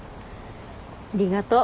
ありがとう。